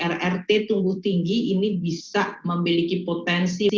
rrt tumbuh tinggi ini bisa memiliki potensi